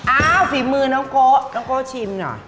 ฝีมือน้องโกะน้องโก๊ชิมหน่อย